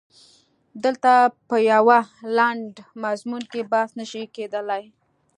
دلته په یوه لنډ مضمون کې بحث نه شي کېدلای.